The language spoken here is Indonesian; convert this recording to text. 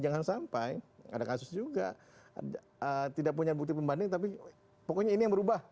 jangan sampai ada kasus juga tidak punya bukti pembanding tapi pokoknya ini yang berubah